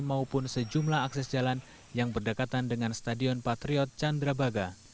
maupun sejumlah akses jalan yang berdekatan dengan stadion patriot candrabaga